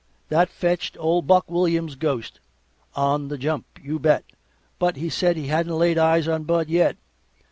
That fetched old Buck Williams' ghost On the jump, you bet, but he said he hadn't laid eyes on Bud yet.